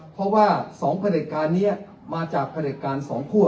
เพราะว่า๒รัฐกาลนี้มาจาก๒ครั่ว